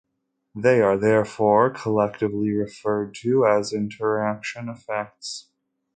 They are therefore collectively referred to as "interaction effects".